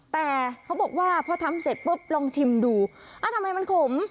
แต่เขาบอกว่าพอทำเสร็จปุ๊บลองชิมดูทำไมมันขม